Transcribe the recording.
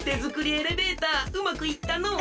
エレベーターうまくいったのう。